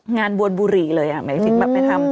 งานมวลบุหรี่เลยแบบไม่ทำ